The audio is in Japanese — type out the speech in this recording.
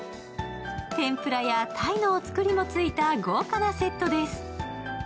天ぷらやたいのお造りもついた豪華なセットです。